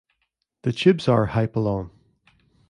The tubes are Hypalon.